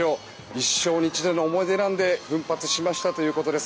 一生に一度の思い出なので奮発しましたということです。